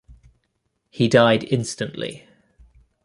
He died instantly.